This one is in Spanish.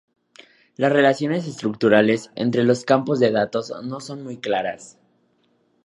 Las relaciones estructurales entre los campos de datos no son muy claras.